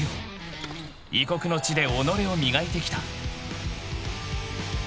［異国の地で己を磨いてきた］